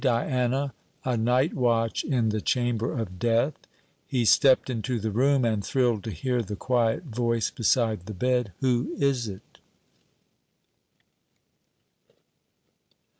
DIANA A NIGHT WATCH IN THE CHAMBER OF DEATH He stepped into the room, and thrilled to hear the quiet voice beside the bed: 'Who is it?'